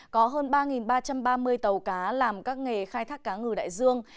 có hơn ba ba trăm ba mươi tàu cá làm các nghề khai thác cá ngừ đại dương